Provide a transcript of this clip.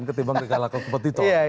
ketimbang dikalahkan kompetitor